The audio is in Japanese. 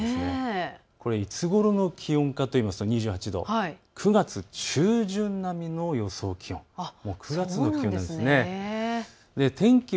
きょうよりも５度低い、これ、いつごろの気温かといいますと９月中旬並みの予想気温、９月の気温なんですね。